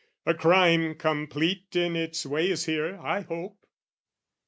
A crime complete in its way is here, I hope?